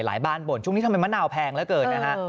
บ้านบ่นช่วงนี้ทำไมมะนาวแพงเหลือเกินนะฮะ